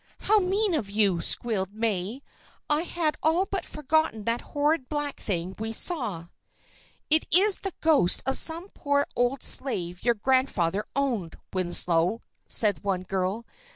"How mean of you!" squealed May. "I had all but forgotten that horrid black thing we saw." "It is the ghost of some poor old slave your grandfather owned, Winslow," said one girl.